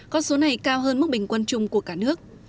con số này cao hơn mức bình quân chung của cả nước